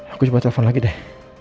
aku coba telepon lagi deh